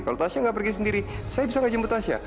kalau tasya nggak pergi sendiri saya bisa nggak jemput tasya